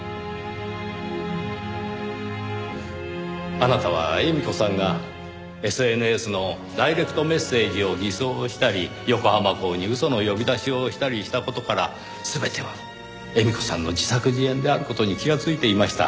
あなたは絵美子さんがＳＮＳのダイレクトメッセージを偽装したり横浜港に嘘の呼び出しをしたりした事から全ては絵美子さんの自作自演である事に気がついていました。